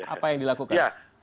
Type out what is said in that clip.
apa yang dilakukan